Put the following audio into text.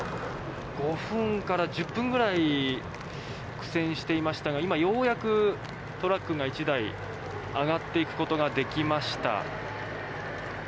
５分から１０分ぐらい苦戦していましたが今、ようやくトラックが１台上がっていくことができました。